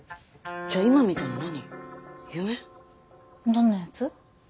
どんなやつ？